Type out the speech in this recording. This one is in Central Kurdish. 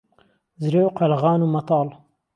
زرێ و قهلغان و مهتاڵ